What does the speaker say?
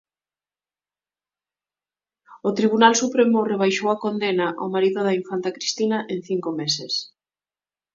O Tribunal Supremo rebaixou a condena ao marido da infanta Cristina en cinco meses.